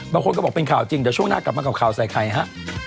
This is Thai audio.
บางคนก็บอกเป็นข่าวจริงเดี๋ยวช่วงหน้ากลับมากับข่าวใส่ไข่ฮะ